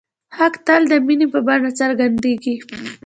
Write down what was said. حق تل د مینې په بڼه څرګندېږي.